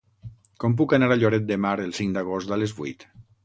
Com puc anar a Lloret de Mar el cinc d'agost a les vuit?